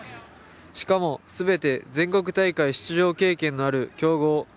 しかも、すべて全国大会出場経験のある強豪。